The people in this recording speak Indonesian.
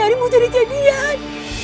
hari ini aku jadi jadian